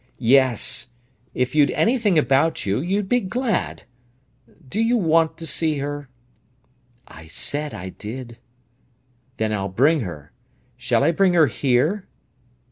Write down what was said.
—yes!—if you'd anything about you, you'd be glad! Do you want to see her?" "I said I did." "Then I'll bring her—shall I bring her here?"